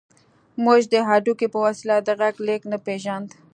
موږ د هډوکي په وسيله د غږ لېږد نه پېژاند.